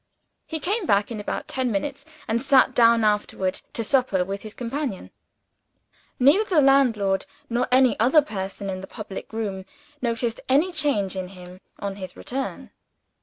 He came back in about ten minutes, and sat down afterward to supper with his companion. Neither the landlord, nor any other person in the public room, noticed any change in him on his return.